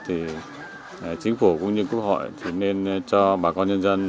thì chính phủ cũng như quốc hội thì nên cho bà con nhân dân